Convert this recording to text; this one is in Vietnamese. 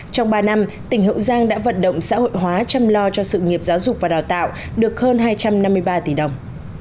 trong ba năm tỉnh hậu giang đã vận động xã hội hóa chăm lo cho sự nghiệp giáo dục và đào tạo được hơn hai trăm năm mươi ba tỷ đồng